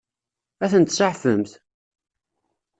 Ad tent-tseɛfemt?